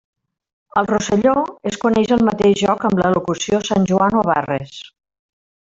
Al Rosselló es coneix el mateix joc amb la locució Sant Joan o barres.